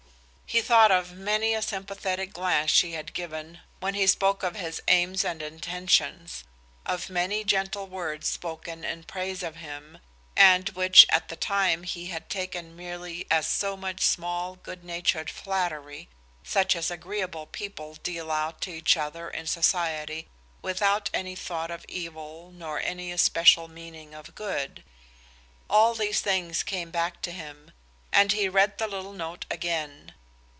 He thought of many a sympathetic glance she had given when he spoke of his aims and intentions, of many a gentle word spoken in praise of him, and which at the time he had taken merely as so much small, good natured flattery, such as agreeable people deal out to each other in society without any thought of evil nor any especial meaning of good. All these things came back to him, and he read the little note again.